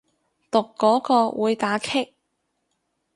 讀嗰個會打棘